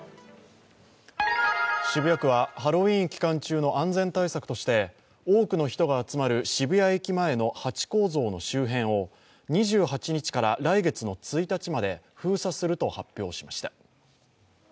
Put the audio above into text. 渋谷区はハロウィーン期間中の安全対策として、多くの人が集まる渋谷駅前のハチ公像の周辺を、２８日から来月の１日まで封鎖すると発表しました。